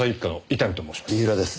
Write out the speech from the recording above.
三浦です。